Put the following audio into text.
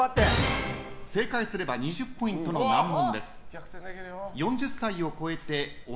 正解すれば２０ポイントの難問。